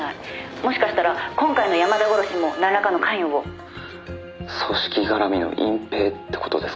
「もしかしたら今回の山田殺しにもなんらかの関与を」「組織がらみの隠蔽って事ですか」